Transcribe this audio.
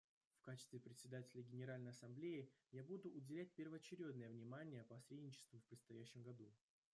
В качестве Председателя Генеральной Ассамблеи я буду уделять первоочередное внимание посредничеству в предстоящем году.